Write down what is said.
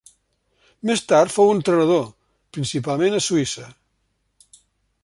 Més tard fou entrenador, principalment a Suïssa.